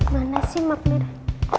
mana sih map merah